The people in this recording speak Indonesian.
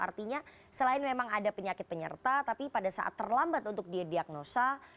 artinya selain memang ada penyakit penyerta tapi pada saat terlambat untuk dia diagnosa